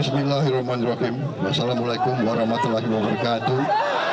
bismillahirrohmanirrohim wassalamualaikum warahmatullahi wabarakatuh